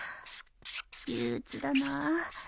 憂鬱だな